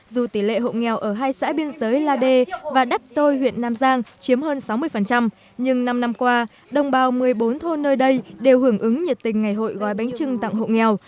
dù tỷ lệ hộ nghèo ở hai xã biên giới la đê và đắc tô huyện nam giang chiếm hơn sáu mươi nhưng năm năm qua đồng bào một mươi bốn thôn nơi đây đều hưởng ứng nhiệt tình ngày hội gói bánh trưng tặng hộ nghèo